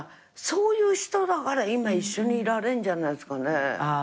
そういう人だから今一緒にいられるんじゃないですかね。